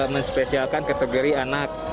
men spesialkan kategori anak